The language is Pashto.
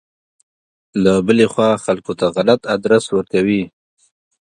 له بلې خوا خلکو ته غلط ادرس ورکوي.